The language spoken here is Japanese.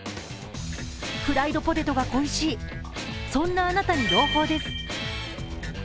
フライドポテトが恋しいそんなあなたに朗報です。